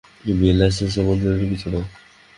বিয়ের লাইসেন্স এমন জরুরি কিছু নয়।